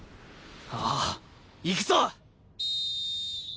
ああいくぞ！